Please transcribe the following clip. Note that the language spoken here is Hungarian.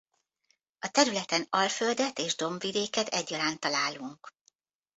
A területen alföldet és dombvidéket egyaránt találunk.